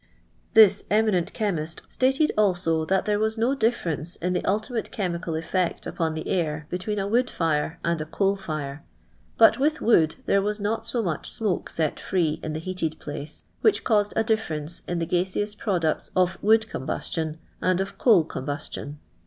This eminent chemist stited also that there was no difference in the ultimate chemical effect upon the air between a wood fire and a coal fire, but with wood there was not so much smoke set free in the heated place, which caused a difference in the gaseous products of wood combustion and of coal combustion.